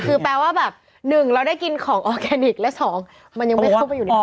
คือแปลว่าแบบ๑เราได้กินของออร์แกนิคและ๒มันยังไม่เข้าไปอยู่ในห้อง